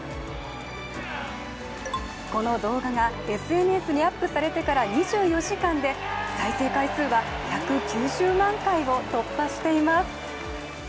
この動画がＳＮＳにアップされてから２４時間で再生回数は１９０万回を突破しています。